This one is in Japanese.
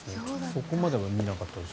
そこまでは見なかったです。